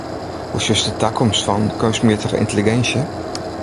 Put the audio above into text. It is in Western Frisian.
Hoe sjochst de takomst fan keunstmjittige yntelliginsje?